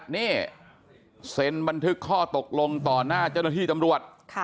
นี่เซ็นบันทึกข้อตกลงต่อหน้าเจ้าหน้าที่ตำรวจ